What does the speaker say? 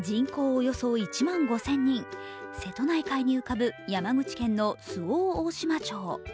およそ１万５０００人瀬戸内海に浮かぶ山口県の周防大島町。